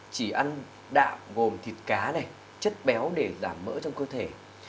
chỉ ăn đạm gồm thịt cá này chất béo để giảm mỡ trong cơ thể